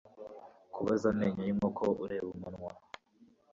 kubaza amenyo y'inkoko ureba umunwa